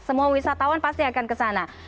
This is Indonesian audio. semua wisatawan pasti akan kesana